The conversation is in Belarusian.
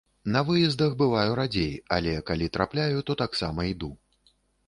На выездах бываю радзей, але калі трапляю, то таксама іду.